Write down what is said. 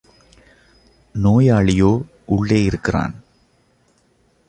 நோயாளியோ உள்ளே இருக்கிறான்.